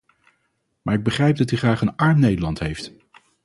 Maar ik begrijp dat u graag een arm Nederland heeft.